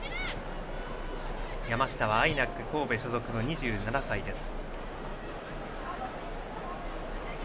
山下はＩＮＡＣ神戸所属の２７歳です。